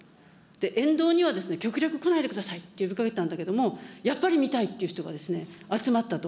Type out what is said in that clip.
沿道には極力来ないでくださいって呼びかけたんだけれども、やっぱり見たいという人が集まったと。